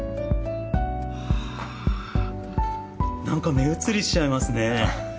なんか目移りしちゃいますね。